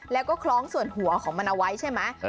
แล้วก็คล้องส่วนหัวของมันเอาไว้ใช่ไหม